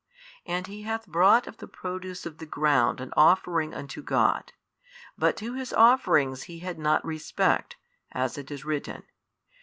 And he hath brought of the produce of the ground an offering unto God, but to his offerings He had not respect, as it is written.